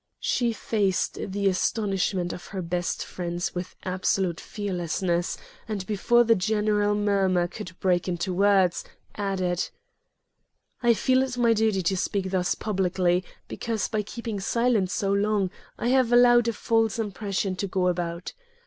She faced the astonishment of her best friends with absolute fearlessness, and before the general murmur could break into words, added: "I feel it my duty to speak thus publicly, because, by keeping silent so long, I have allowed a false impression to go about.